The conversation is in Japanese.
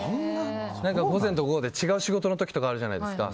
午前と午後で違う仕事の時とかあるじゃないですか。